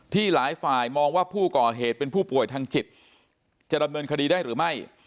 หลายฝ่ายมองว่าผู้ก่อเหตุเป็นผู้ป่วยทางจิตจะดำเนินคดีได้หรือไม่